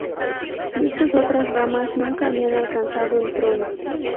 Muchas otras ramas nunca habían alcanzado el trono.